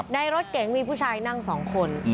ในรถเก๋งมีผู้ชายนั่ง๒คน